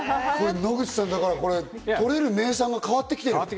野口さん、取れる名産が変わってきてる。